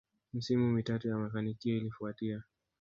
Misimu mitatu ya mafanikio ilifuatia